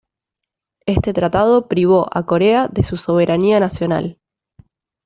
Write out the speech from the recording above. Este tratado privó a Corea de su soberanía nacional.